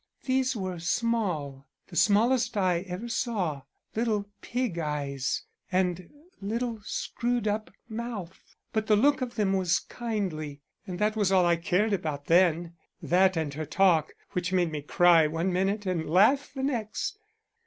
These were small, the smallest I ever saw, little pig eyes, and little screwed up mouth; but the look of them was kindly and that was all I cared about then; that and her talk, which made me cry one minute and laugh the next.